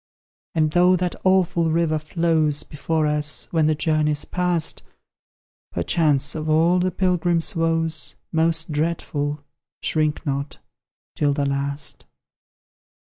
And though that awful river flows Before us, when the journey's past, Perchance of all the pilgrim's woes Most dreadful shrink not 'tis the last!